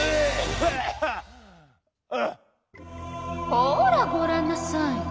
ほらごらんなさい。